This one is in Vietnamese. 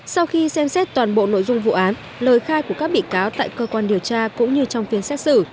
sau khi xem xét toàn bộ nội dung vụ án lời khai của các bị cáo tại cơ quan điều tra cũng như trong phiên xét xử